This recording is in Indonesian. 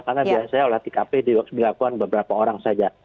karena biasanya olah tkp dilakukan beberapa orang saja